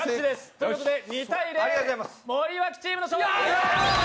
ということで２−０、森脇チームの勝利！